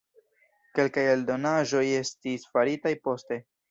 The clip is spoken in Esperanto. Kelkaj aldonaĵoj estis faritaj poste.